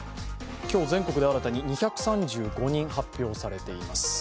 今日全国で新たに２３５人発表されています。